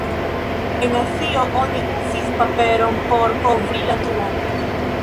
En Azio oni uzis paperon por kovri la truon.